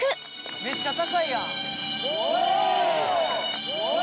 めっちゃ高いやん・おおっ！